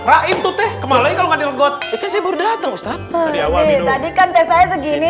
raim tuh teh kemarin kalau nggak di legot itu saya baru datang ustadz tadi kan teksanya segini